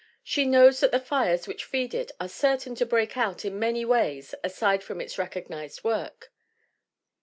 She knows that the fires which feed it are certain to break out in many ways aside from its recognized work.